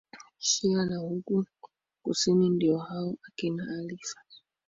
shia na huku kusini ndio hao akina alifa